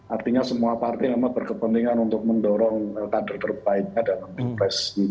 artinya semua partai memang berkepentingan untuk mendorong kader terbaik